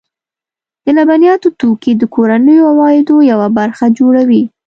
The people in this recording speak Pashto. د لبنیاتو توکي د کورنیو عوایدو یوه برخه جوړوي.